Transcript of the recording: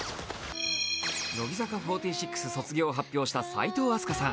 乃木坂４６卒業を発表した齋藤飛鳥さん。